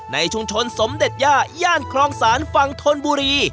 ในชุมชนสมเด็จย่าย่านคลองศาลฝั่งธนบุรี